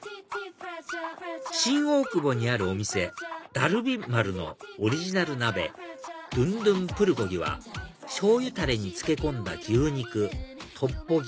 新大久保にあるお店ダルビッマルのオリジナル鍋ＤＵＮＤＵＮプルコギはしょうゆタレに漬け込んだ牛肉トッポギ